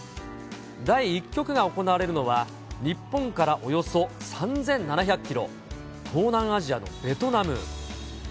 第１局が行われるのは、日本からおよそ３７００キロ、東南アジアのベトナム。